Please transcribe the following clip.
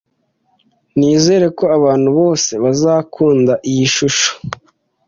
Nizera ko abantu bose bazakunda iyi shusho.